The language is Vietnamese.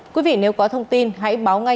quý vị nếu có thông tin hãy báo ngay